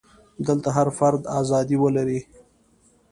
دلته هر فرد ازادي ولري.